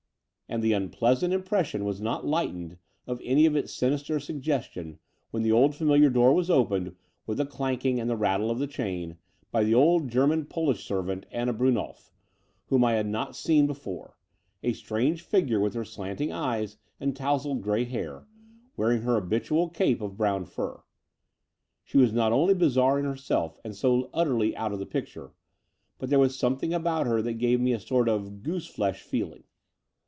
And the unpleasant impression was not lightened of any of its sinister suggestion when the old familiar door was opened, with a clanking and the rattle of the chain, by the old German Polish servant, Anna Brunnolf, whom I had not seen before — a strange figure with her slanting eyes and tousled grey hair, wearing her habitual cape of brown fur. She was not only bizarre in herself and so utterly out of the picture, but there was something about her that gave me a sort of "goose flesh " feeling.